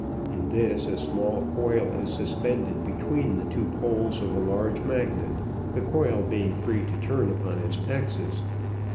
In this a small coil is suspended between the poles of a large magnet; the coil being free to turn upon its axis.